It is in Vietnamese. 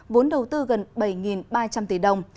vốn đầu tư gần bảy ba trăm linh tỷ đồng